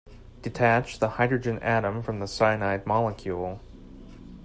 Detach the hydrogen atom from the cyanide molecule.